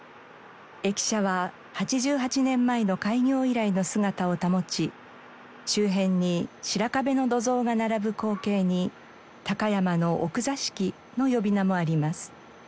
駅舎は８８年前の開業以来の姿を保ち周辺に白壁の土蔵が並ぶ光景に「高山の奥座敷」の呼び名もあります。